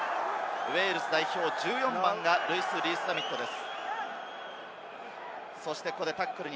ウェールズ代表・１４番がリース＝ザミットです。